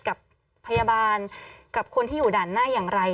กับพยาบาลกับคนที่อยู่ด่านหน้าอย่างไร